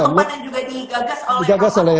satu tempat yang juga digagas oleh pak ya